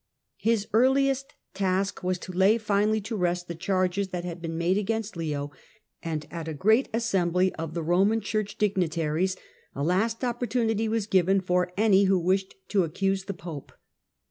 His earliest task was to lay finally to rest the charges ;hat had been made against Leo, and at a great assembly )f the Roman Church dignitaries a last opportunity was jiven for any who wished to accuse the Pope.